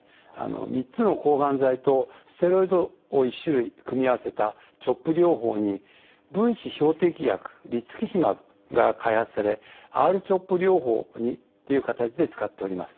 ３つの抗がん剤とステロイドを１種類組み合わせたＣＨＯＰ療法に分子標的薬リツキシマブが開発されＲ−ＣＨＯＰ療法という形で使っております。